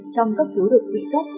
trong cấp cứu đột quỵ tốt